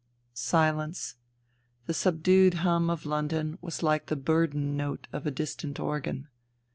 Silence. The subdued hum of London was hke the burden note of a distant organ.